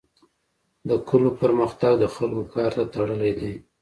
د کلو پرمختګ د خلکو کار ته تړلی دی.